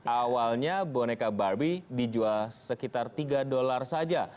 awalnya boneka barbie dijual sekitar tiga dolar saja